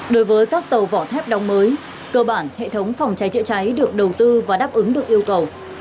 đối với các tàu vỏ thép đóng mới cơ bản hệ thống phòng cháy chữa cháy được đầu tư và đáp ứng được yêu cầu